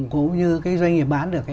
cũng như cái doanh nghiệp bán được